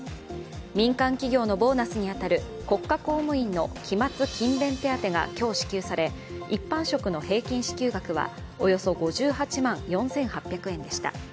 民間企業のボーナスに当たる国家公務員の期末・勤勉手当が今日支給され、一般職の平均支給額はおよそ５８万４８００円でした。